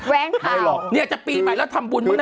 บ๊อกนี่จะปีใหม่แล้วทำบุญเหรอ